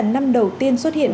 năm đầu tiên xuất hiện